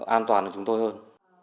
an toàn hơn chúng tôi hơn